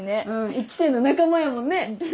１期生の仲間やもんねフフフ。